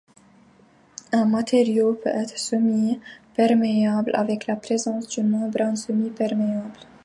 Un matériau peut être semi-perméable, avec la présence d'une membrane semi-perméable.